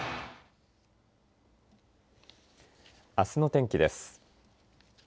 あすの天気です。